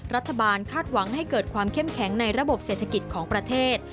คาดหวังให้เกิดความเข้มแข็งในระบบเศรษฐกิจของประเทศ